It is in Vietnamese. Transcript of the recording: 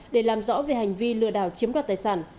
để làm rõ về hành vi lừa đảo chiếm đoạt tài sản